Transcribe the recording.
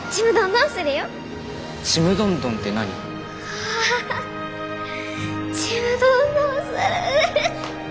うわちむどんどんする！